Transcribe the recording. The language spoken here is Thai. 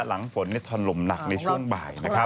หลังฝนทอนลมหนักในช่วงบ่ายนะครับ